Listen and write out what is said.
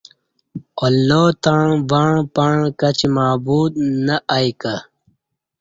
اللہ تݩع وںع پںع کچی معبود نہ ائی کہ